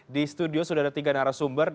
di studio sudah ada tiga narasumber